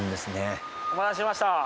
お待たせしました。